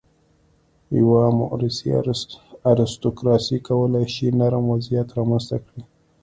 یوه موروثي ارستوکراسي کولای شي نرم وضعیت رامنځته کړي.